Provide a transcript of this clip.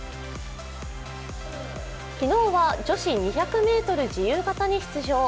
昨日は女子２００ｍ自由形に出場。